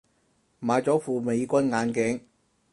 買咗副美軍眼鏡